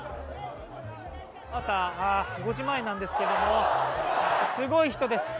朝５時前なんですけどもすごい人です。